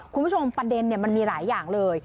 คุณผู้ชมประเด็นมันมีหลายอย่างเลย